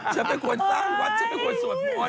ฉันเป็นคนสร้างวัดฉันเป็นคนสวดมนต์